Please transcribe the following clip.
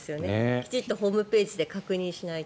きちんとホームページで確認しないと。